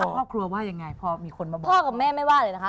ครอบครัวว่ายังไงพอมีคนมาบอกพ่อกับแม่ไม่ว่าเลยนะคะ